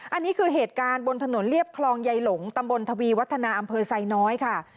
อันนี้คือเหตุการณ์บนถนนเรียบคลองใยหลงตำบลทวีวัฒนาอำเภอไซน้อยค่ะ